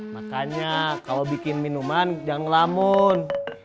makanya kalau bikin minuman jangan ngelamun